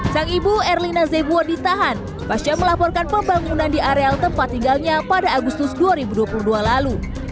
sang ibu erlina zebuo ditahan pasca melaporkan pembangunan di areal tempat tinggalnya pada agustus dua ribu dua puluh dua lalu